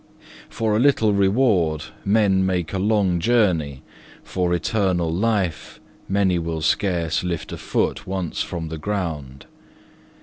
For a little reward men make a long journey; for eternal life many will scarce lift a foot once from the ground.